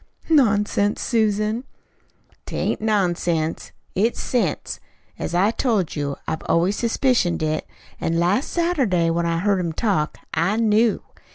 "Nonsense, Susan!" "'T ain't nonsense. It's sense. As I told you, I've always suspicioned it, an' last Saturday, when I heard him talk, I knew.